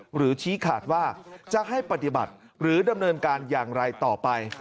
หรือชี้ขาดว่าจะให้ปฏิบัติหรือดำเนินการอย่างไรต่อไป